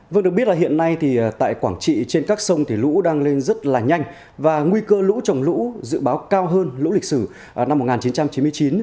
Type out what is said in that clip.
vâng được biết là hiện nay thì tại quảng trị trên các sông thì lũ đang lên rất là nhanh và nguy cơ lũ trồng lũ dự báo cao hơn lũ lịch sử năm một nghìn chín trăm chín mươi chín